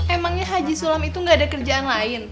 emangnya haji sulam itu gak ada kerjaan lain